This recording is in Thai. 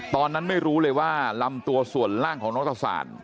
ตอนนั้นไม่รู้เลยว่าลำตัวส่วนล่างของน้องตะสาน